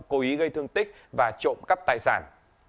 cố ý gây thương tích và trộm cắp tài sản